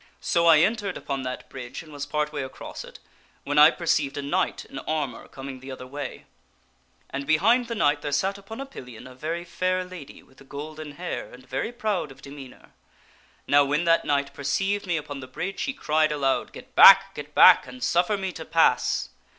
So I entered upon that bridge and was part way across it, when I perceived a knight in armor coming the other way. And behind the knight there sat upon a pillion a very fair lady with golden hair and very proud of demeanor. Now, when that knight perceived me upon the bridge, he cried aloud, * Get back ! get back ! and suffer me to pass